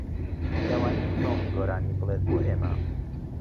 لەوانەیە تۆم گۆرانی بڵێت بۆ ئێمە.